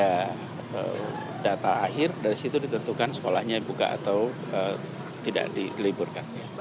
ada data akhir dari situ ditentukan sekolahnya buka atau tidak diliburkan